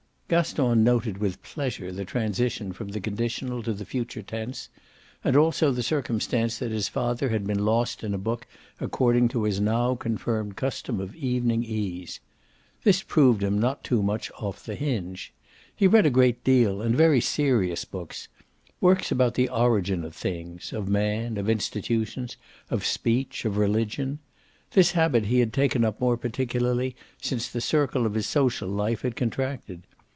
Gaston noted with pleasure the transition from the conditional to the future tense, and also the circumstance that his father had been lost in a book according to his now confirmed custom of evening ease. This proved him not too much off the hinge. He read a great deal, and very serious books; works about the origin of things of man, of institutions, of speech, of religion. This habit he had taken up more particularly since the circle of his social life had contracted.